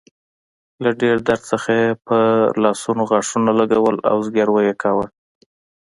له ډیر درد څخه يې په لاس غاښونه لګول او زګیروی يې کاوه.